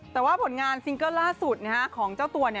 แต่ว่าผลงานซิงเกิลล่าสุดของเจ้าตัว